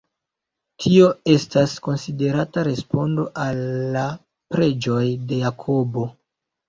Tio estas konsiderata respondo al la preĝoj de Jakobo.